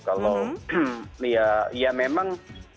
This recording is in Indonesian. kalau ya memang